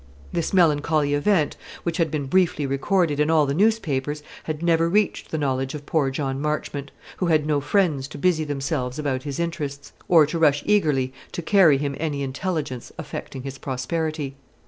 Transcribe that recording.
This melancholy event, which had been briefly recorded in all the newspapers, had never reached the knowledge of poor John Marchmont, who had no friends to busy themselves about his interests, or to rush eagerly to carry him any intelligence affecting his prosperity.